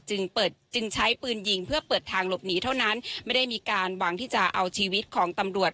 เปิดจึงใช้ปืนยิงเพื่อเปิดทางหลบหนีเท่านั้นไม่ได้มีการหวังที่จะเอาชีวิตของตำรวจ